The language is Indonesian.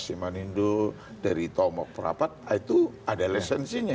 simanindo dari tomok perapat itu ada license nya